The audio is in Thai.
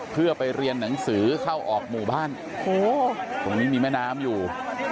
เพื่อไปเรียนหนังสือเข้าออกหมู่บ้านตรงนี้มีแม่น้ำอยู่